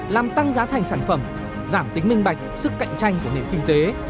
làm tăng giá thành sản phẩm giảm tính minh bạch sức cạnh tranh của nền kinh tế